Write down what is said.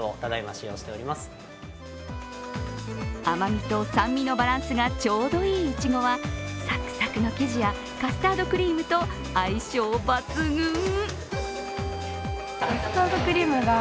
甘みと酸味のバランスがちょうどいい、いちごは、サクサクの生地やカスタードクリームと相性抜群。